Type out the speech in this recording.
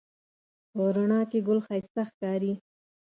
په رڼا کې ګل ښایسته ښکاري